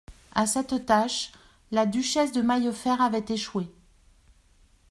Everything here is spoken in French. A cette tâche, la duchesse de Maillefert avait échoué.